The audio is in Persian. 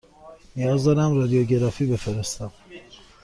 نیاز دارم رادیوگرافی بفرستم.